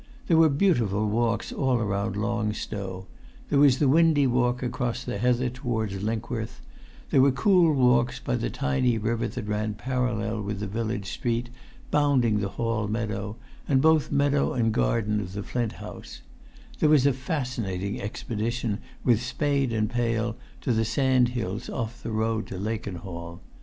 There were beautiful walks all round Long Stow. There was the windy walk across the heather towards Linkworth; there were cool walks by the tiny river that ran parallel with the village street, bounding the hall meadow and both meadow and garden of the Flint House; there was a fascinating expedition, with spade and pail, to the sand hills off the road to Lakenhall.